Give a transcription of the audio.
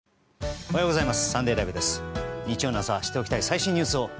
おはようございます。